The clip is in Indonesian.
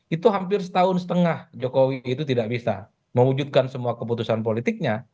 itu hampir setahun setengah jokowi itu tidak bisa mewujudkan semua keputusan politiknya